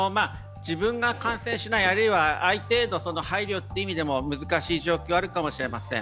自分が感染しない、あるいは相手への配慮という意味でも難しい状況があるかもしれません。